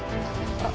あっ！